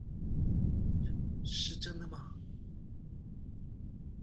是真的嗎？